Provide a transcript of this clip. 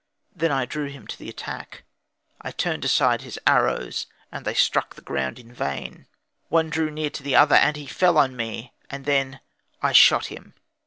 Then I drew him to the attack; I turned aside his arrows, and they struck the ground in vain. One drew near to the other, and he fell on me, and then I shot him.